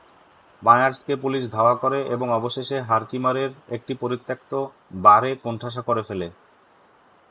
মায়ার্সকে police ধাওয়া করে এবং অবশেষে হারকিমারের একটি পরিত্যক্ত বারে কোণঠাসা করে ফেলে।